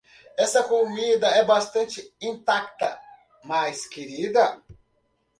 Esta comida é bastante intacta, mas querida.